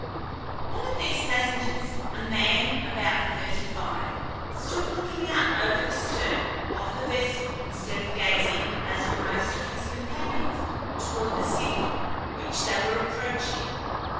One of these passengers a man about thirty five stood looking out over the stern of the vessel instead of gazing, as were most of his companions, towards the city which they were approaching.